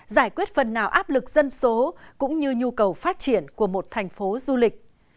giải quyết phần nào áp lực dân số cũng như nhu cầu phát triển của một thành phố du lịch